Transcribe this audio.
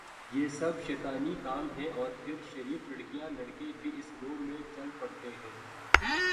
یہ سب شیطانی کام ہیں اور پھر شریف لڑکیاں لڑکے بھی اس رو میں چل پڑتے ہیں